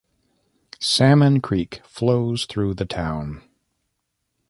Salmon Creek flows through the town.